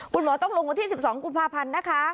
คุณหมอต้องลงที่สิบสองกุมภาพันธุ์นะคะ